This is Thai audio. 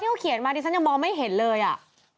เขาเขียนมาดิฉันยังมองไม่เห็นเลยอ่ะ